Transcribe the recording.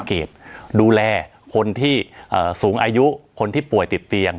เกตดูแลคนที่สูงอายุคนที่ป่วยติดเตียง